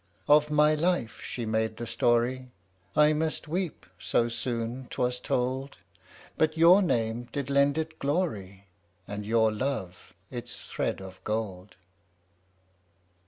Of my life she made the story: I must weep so soon 'twas told! But your name did lend it glory, And your love its thread of gold!